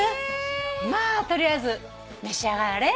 まあ取りあえず召し上がれ。